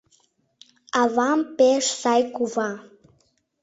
Авам пеш сай кува.